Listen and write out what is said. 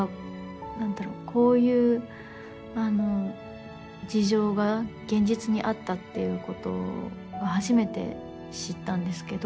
こういう事情が現実にあったっていうことを初めて知ったんですけど。